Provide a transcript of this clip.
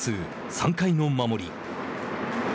３回の守り。